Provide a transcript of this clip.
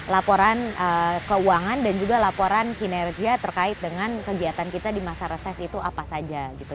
laporan keuangan dan juga laporan kinerja terkait dengan kegiatan kita di masa reses itu apa saja gitu